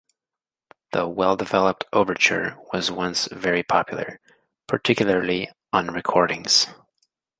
The well-developed overture was once very popular, particularly on recordings.